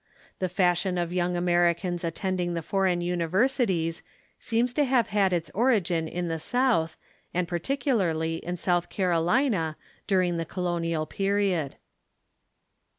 The fashion of young Americans attending the foreign universities seems to liave had its origin in the South, and particularly in South Carolina, during the colonial period.